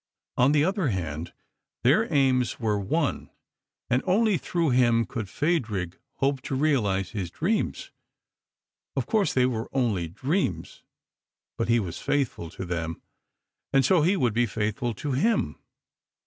On the other hand, their aims were one, and only through him could Phadrig hope to realise his dreams. Of course they were only dreams; but he was faithful to them, and so he would be faithful to him.